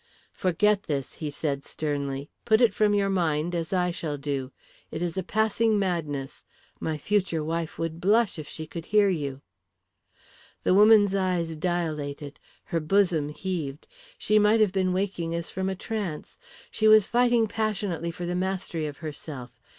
"Forget this," he said, sternly. "Put it from your mind, as I shall do. It is a passing madness. My future wife would blush if she could hear you." The woman's eyes dilated, her bosom heaved. She might have been waking as from a trance. She was fighting passionately for the mastery of herself.